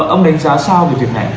ông đánh giá sao về việc này